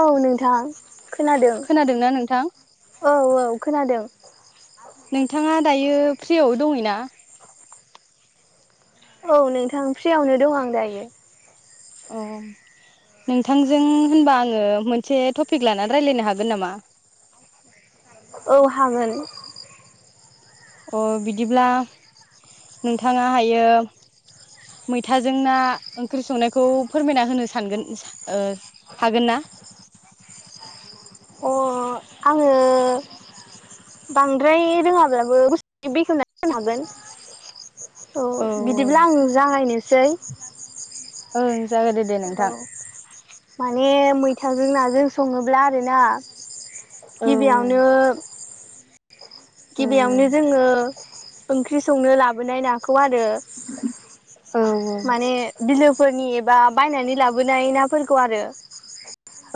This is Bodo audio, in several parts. औ नोंथां खोनादों खोनादोंना नोंथां औ औ खोनादों। नोंथाङा दायो फ्रियाव दङै ना? औ नोंथां फ्रियावनो दं आं दायो। औ नोंथांजों होनबा आङो मोनसे टपिक लानानै रायलायनो हागोन नामा? [inaudible] औ हागोन। अ बिदिब्ला नोंथाङा हायो। मैथाजों ना ओंख्रि संनायखौ फोरमायना होनो सानगोन ओ हागोन ना? अ आङो बांद्राय रोङाब्लाबो गुसुंयै बेखवनानै होनो हागोन। औ बिदिब्ला आं जागायनोसै। ओ औ माने मैथाजों नाजों सङोब्ला आरोना। औ गिबियावनो औ गिबियावनो जोङो ओंख्रि संनो लाबोनाय नाखौ आरो। औ माने बिलो फोरनि एबा बायनानै लाबोनाय नाफोरखौ आरो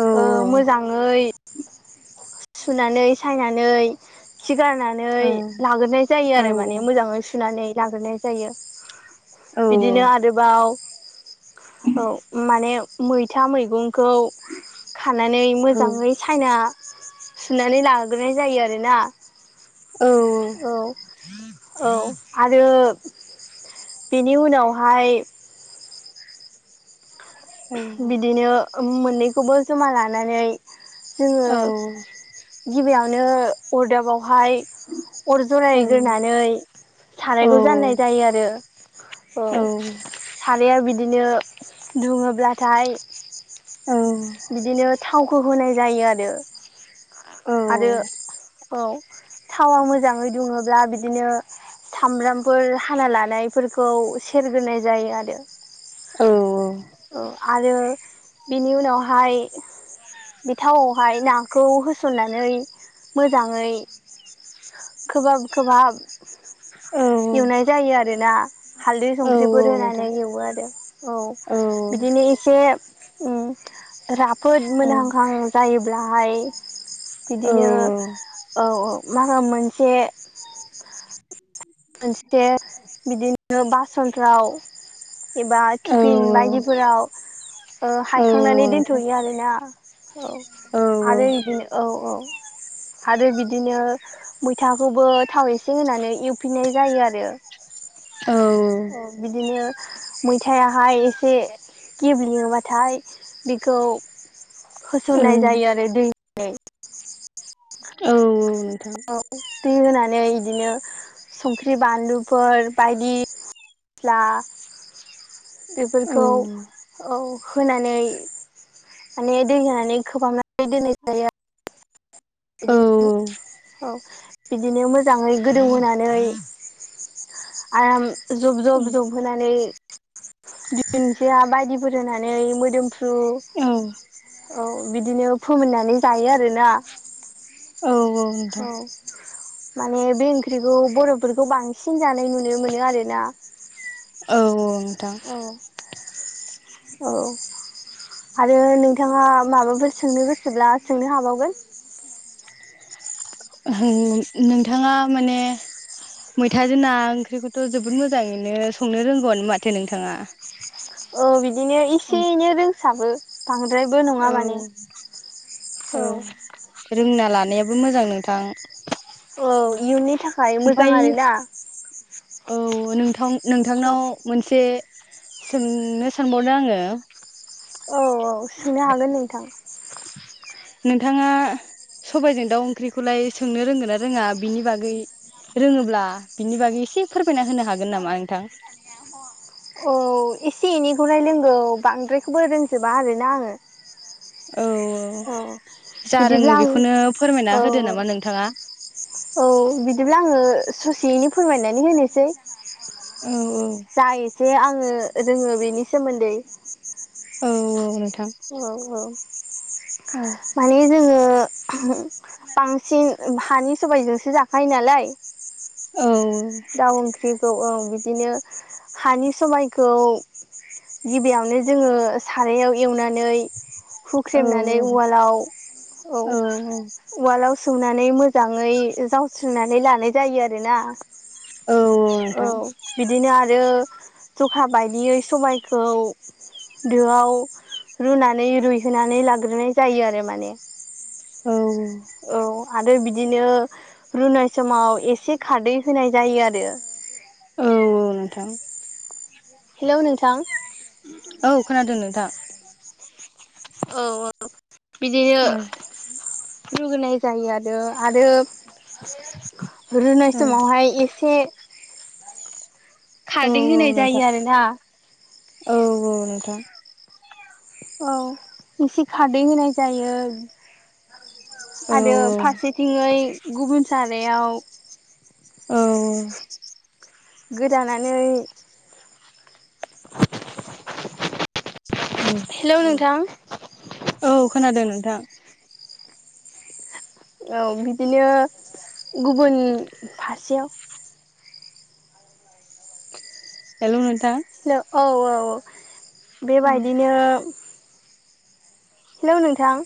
औ ओ मोजाङै सुनानै सायनानै खि गारनानै औ लाग्रोनाय जायो औ आरो माने मोजाङै सुनानै लाग्रोनाय जायो। औ बिदिनो आरोबाव औ माने मैथा मैगं खौ खानानै मोजाङै साना सुनानै लाग्रोनाय जायो आरोना। औ औ आरो बेनि उनावहाय बिदिनो मोननैखौबो जमा लानानै जोङो गिबियावनो अरदाबाव हाय अर जरायरायग्रोनानै सारायखौ जाननाय जायो आरो। औ साराया बिदिनो दुङोब्लाथाय। औ बिदिनो थावखौ होनाय जायो आरो। औ आरो औ औ थावा मोजाङै दुङोब्ला बिदिनो सामब्रामफोर हाना ला नायफोरखौ सेरग्रोनाय जायो आरो। औ औ। औ आरो बेनि उनावहाय बे थावावहाय नाखौ होसननानै मोजाङै खोबहाब खोबहाब औ एवनाय जायो आरोना हालदै औ औ संख्रिफोर होनानै नोंथां एवो आरो, औ। बिदिनो एसे उम राफोद मोनहांहां जायोब्लाहाय बिदिनो औ औ मा होनो मोनसे मोनसे बिदिनो बासनफ्राव एबा औ टिफिन नोंथां बायदिफोराव ओ औ हायखांनानै दोनथ'यो नोंथां आरोना। औ औ औ आरो बिदिनो औ औ आरो बिदिनो मैथाखौबो थाव एसे होनानै एव फिनाय जायो आरो। औ औ बिदिनो मैथायाहाय एसे गेब्लेङोबाथाय बेखौ होसननाय जायो आरो दै [unintelligible] औ औ। औ दै होनानै बिदिनो संख्रि बानलुफोर बायदि मस्ला बेफोरखौ होनानै औ माने दै होनानै खोबाब [unintelligible] [unintelligible] औ बिदिनो मोजाङै गोदौ होनानै आराम जब जब जब होनानै [unintelligible] बायदिफोर नानै मोदोमफ्रु औ बिदिनो फोमोनना नै जायो आरोना। औ। नोंथां औ। माने बे ओंख्रिखौ बर'फोरखौ बांसिन जानाय नुनो मोनो आरोना। औ ओं। औ औ। आरो नोंथाङा माबाफोर सोंनो गोसोब्ला सोंनो हाबावगोन। होम नोंथाङा माने मैथाजों ना ओंख्रिखौथ' जोबोद मोजाङैनो संनो रोंगौमोन माथो नोंथाङा। औ बिदिनो औ एसे एनै रोंसाबो बांद्रायबो नङा माने। औ जानायाबो मोजां नोंथां। औ इयुननि थाखाय मोजां ओमफ्राय आरोना। औ नोंथां औ नोंथांनाव मोनसे सोंनो सानबावदों आङो। औ औ सोंनो हागोन नोंथां। नोंथाङा सबायजों दाउ ओंख्रिखौलाय सोंनो रोंगोन ना रोङा बिनि बागै रोङोब्ला बिनि बागै एसे फोरमायना होनो हागोन नामा नोंथां? [unintelligible] औ औ, एसे एनैखौलाय रोंगौ बांद्रायखौबो रोंजोबा आरोना आङो। औ औ, जा बिदिब्ला रोङो आं बेखौनो फोरमायना औ होदो नामा नोंथाङा? औ, बिदिब्ला आङो ससेयैनो फोरमायनानै होनोसै औ जा एसे आङो रोङो बेनि सोमोन्दै। औ औ। औ औ, औ माने जोङो [unintelligible] बांसिन हानि सबाइजोंसो जाखायो नालाय। औ। दाउ ओंख्रिखौ ओं बिदिनो हानि सबायखौ गिबियावनो जोङो सारायाव एवनानै औ हुख्रेमनानै उवालाव औ उवालाव संनानै मोजाङै जावस्रिनानै लानाय जायो आरोना। औ औ नोंथां बिदिनो आरो जखा बायदियै सबायखौ दोआव रुनानै रुइहोनानै लाग्रोनाय जायो आरो माने। औ औ। औ। आरो बिदिनो रुनाय समाव एसे खारदै होनाय जायो आरो। औ नोंथां। हेलौ नोंथां औ खोनादों नोंथां। औ औ। बिदिन औ लुगैनाय जायो आरो। आरो रुनाय औ समावहाय एसे औ खारदै औ होनाय जायो नोंथा आरोना औ औ नोंथां। औ एसे खारैदै होनाय जायो। औ आरो फारसेथिङै गुबुन सारायाव औ। गोरानानै औ हेलौ नोंथां औ खोनादों नोंथां। औ बिदिनो गुबुन फारसेयाव हेल' नों ल' औ औ बेबायदिनो हेल' नोंथां।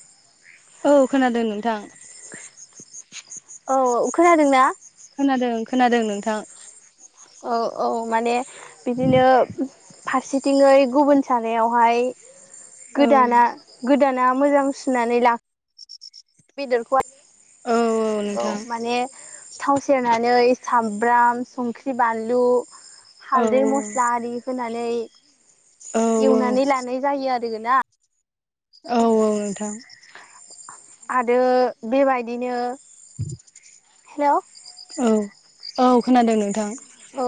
औ खोनादों नोंथां। औ खोनादों ना? खोनादों खोनादों नोंथां। औ औ माने बिदिनो फारसेथिङै गुबुन सारायावहाय औ गोदाना गोदाना मोजां सुनानै ला बेदरख औ माने थाव सेरनानै सामब्राम संख्रि बानलु औ हालदै मस्ला आरि होनानै औ औ एवनानै लानाय जायो आरोना। औ औ नोंथां। आरो बेबायदिनो हेलौ औ औ खोनादों नोंथां। औ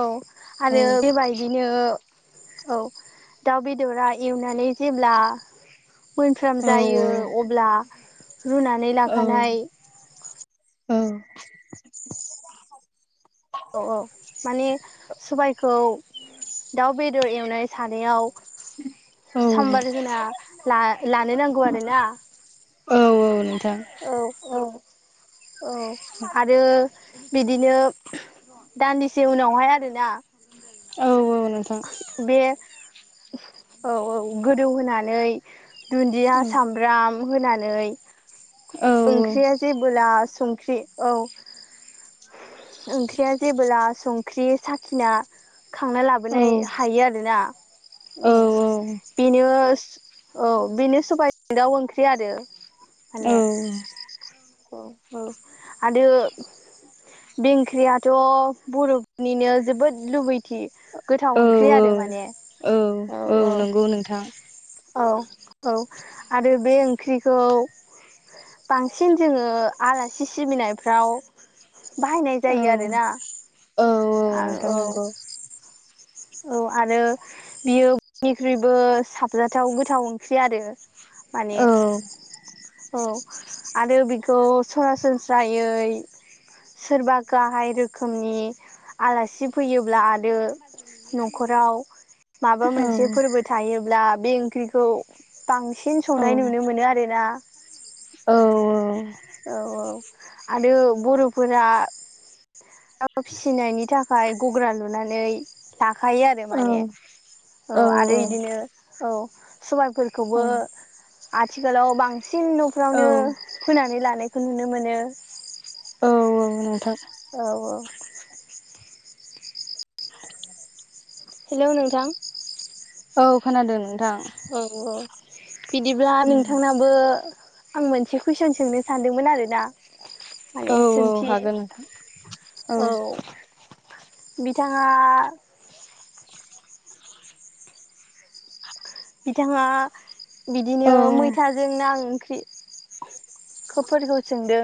औ। औ आरो बेबायदिनो औ। दाउ बेदरा एवनानै जेब्ला मोनफ्राम औ जायो अब्ला रुनानै लाखानाय औ। औ औ माने सबायखौ दाउ बेदर एवनाय सानायाव साम्बार होना ला-लानो नांगौ आरो ना। औ औ नोंथां औ औ। औ आरो बिदिनो दान्दिसे उनावहाय आरोना औ औ नोंथां। बे औ औ गोदौ होनानै दुन्दिया औ सामब्राम होना यै औ ओंख्रिया औ जेबोला संख्रि औ ओंख्रिया जेबोब्ला संख्रि साखिना खांना लाबोनाय हायो आरोना औ बेनो औ बेनो सबाय दाउ ओंख्रि आरो। औ माने औ औ आरो बे ओंख्रियाथ' बर'निनो जोबोद लुबै कि औ गोथाव ओंख्रि आरो माने औ औ नंगौ नोंथां औ औ आरो बे ओंख्रिखौ बांसिन जोङो आलासि सिबिनायफ्राव बाहायनाय औ जायो आरोना औ आ नोंथां औ। नंगौ औ आरो बियो बयनिख्रुइबो साबजाथाव गोथाव ओंख्रि आरो माने औ औ आरो बेखौ सरासन फ्रायै सोरबा गाहाय रोखोमनि आलासि फैयोब्ला आरो न'खराव माबा औ मोनसे फोरबो थायोब्ला बे ओंख्रिखौ बांसिन औ संनाय नुनो मोनो आरोना औ औ औ आरो बर फोरा फिसिनायनि थाखाय ओमफ्राय गग्रा लुनानै। थाखायो आरो माने औ आरो इदिनो औ सबबा फोरखौबो आथिखालाव बांसिन औ न'फ्रावनो फोनानै। लानायखौ नुनो मोनो औ औ नोंथां। औ औ [inaudible] हेलै नोंथां औ खोनादों नोंथां औ औ बिदिब्ला नोंथांनाबो आं मोनसे कुइसन सोंनो सानदोंमोन आरोना औ आरो सोंथि हागोन नोंथां औ बिथाङा बिथाङा औ बिदिनो मैथाजों ना ओंख्रि खफोरखौ सोंदों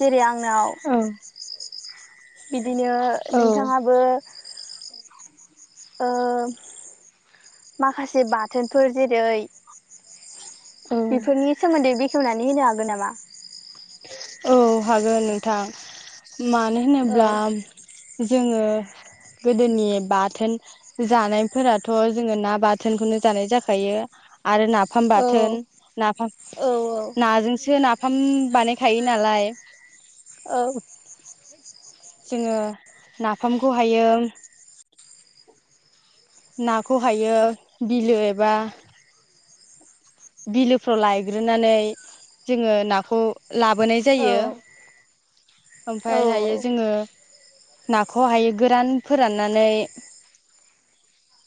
जेरै आंनाव औ बिदिनो औ नोंथाङाबो- ओ माखासे बाथोनफोर जेरै औ बेफोरनि सोमोन्दै बेखेवनानै होनो हागोन नामा औ हागोन नोंथां मानो औ होनोब्ला जोङो गोदोनि बाथोन जानायफोराथ' जोङो ना बाथोनखौनो। जानाय जाखायो। आरो नाफाम औ बाथोन नाफाम औ नाजोंसो नाफाम बानाय। खायो नालाय औ जोङो नाफामखौ हायो नाखौ हायो बिलो एबा। बिलोफ्राव लायग्रोनानै जोङो नाखौ लाबोनाय जायो औ ओमफाय हायो जोङो नाखौहायो गोरान फोराननानै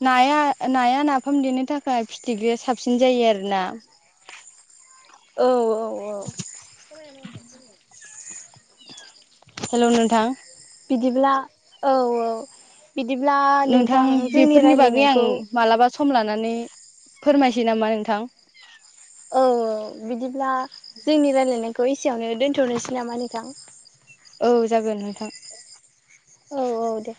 नाया नाया नाफाम देनो थाखाय फिथिख्रिया साबसिन जायो आरो। ना। औ औ औ। हेल' नोंथां बिदिब्ला औ औ बिदिब्ला नोंथां जोंनि बेफोरनि बागै आं राय्लायनायखौ मालाबा सम लानानै फोरमायनोसै नामा नोंथां? औ बिदिब्ला जोंनि रायलायनाय बेखौ एसेयावनो दोन्थ'नोसै नामा नोंथां? औ जागोन नोंथां। औ औ दे।